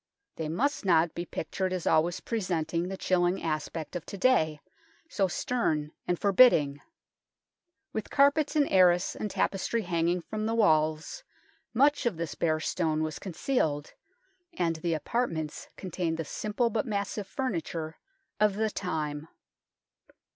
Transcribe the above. They must not be pictured as always presenting the chilling aspect of to day, so stern and forbidding. With carpets and arras and tapestry hanging from the walls, much of this bare stone was concealed, and the apartments contained the simple but massive furniture of the time.